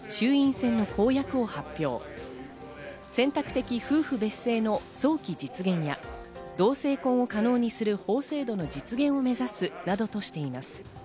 選択的夫婦別姓の早期実現や同性婚を可能にする法制度の実現を目指すなどとしています。